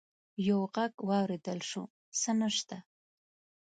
يو غږ واورېدل شو: څه نشته!